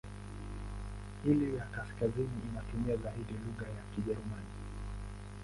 Ile ya kaskazini inatumia zaidi lugha ya Kijerumani.